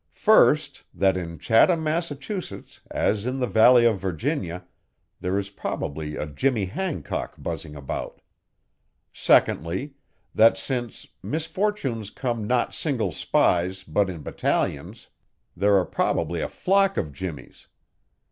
First, that in Chatham, Massachusetts, as in the Valley of Virginia, there is probably a Jimmy Hancock buzzing about. Secondly, that since 'misfortunes come not single spies, but in battalions,' there are probably a flock of Jimmies.